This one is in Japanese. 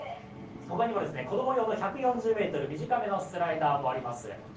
他にも子供用の１４０ｍ短めのスライダーもあります